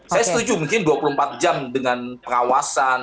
saya setuju mungkin dua puluh empat jam dengan pengawasan